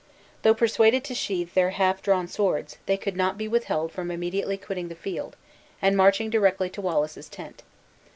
Though persuaded to sheathe their half drawn swords, they could not be withheld from immediately quitting the field, and marching directly to Wallace's tent.